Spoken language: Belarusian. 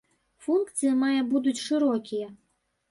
Функцыі мае будуць шырокія.